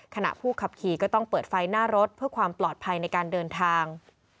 ขณะผู้ขับขี่ก็ต้องเปิดไฟหน้ารถเพื่อความปลอดภัยในการเดินทาง